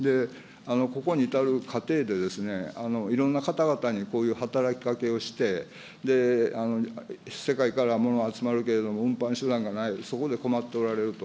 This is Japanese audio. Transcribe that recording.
ここに至る過程でですね、いろんな方々にこういう働きかけをして、世界から物は集まるけれども運搬手段がない、そこで困っておられると。